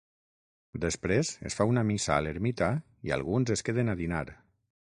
Després es fa una missa a l'ermita i alguns es queden a dinar.